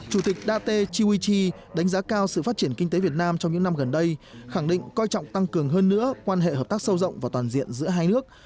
chủ tịch date chiuichi đánh giá cao sự phát triển kinh tế việt nam trong những năm gần đây khẳng định coi trọng tăng cường hơn nữa quan hệ hợp tác sâu rộng và toàn diện giữa hai nước